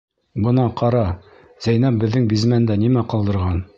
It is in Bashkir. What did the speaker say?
Бына, ҡара, Зәйнәп беҙҙең бизмәндә нимә ҡалдырған!